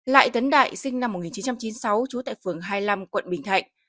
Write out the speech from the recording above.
lại tấn đại sinh năm một nghìn chín trăm chín mươi sáu trú tại phường hai mươi năm quận bình thạnh